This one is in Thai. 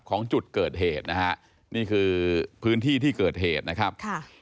ของจุดเกิดเหตุนะฮะนี่คือพื้นที่ที่เกิดเหตุนะครับค่ะ